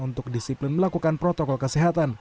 untuk disiplin melakukan protokol kesehatan